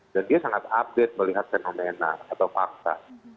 dan dia sangat update melihat fenomena atau fakta